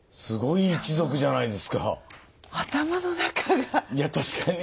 すごい一族じゃないですか。